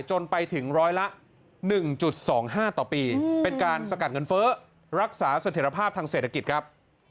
จนไปถึงร้อยละ๑๒๕ต่อปีเป็นการสกัดเงินเฟ้อรักษาเสถียรภาพทางเศรษฐกิจครับ